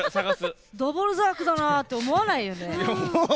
ドボルザークだって思わないよね。